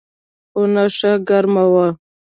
خونه ښه ګرمه وه.